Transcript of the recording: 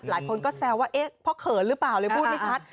หลายคนก็แซวว่าเคินหรือเปล่าเลยพูดไม่ชัด